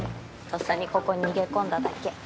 とっさにここに逃げ込んだだけ。